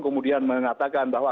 kemudian mengatakan bahwa